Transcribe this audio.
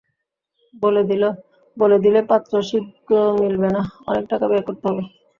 বলে দিলে, পাত্র শীঘ্র মিলবে না, অনেক টাকা ব্যয় করতে হবে।